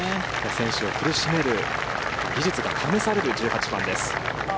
選手を苦しめる技術が試される１８番です。